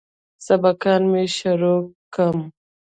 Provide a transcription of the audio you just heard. سبقان مې شروع کم.